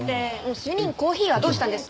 主任コーヒーはどうしたんですか？